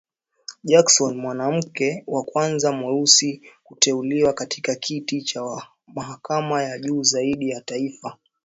Jackson, mwanamke wa kwanza mweusi kuteuliwa katika kiti cha mahakama ya juu zaidi ya taifa,